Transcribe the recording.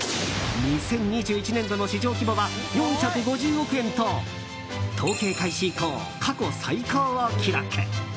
２０２１年度の市場規模は４５０億円と統計開始以降、過去最高を記録。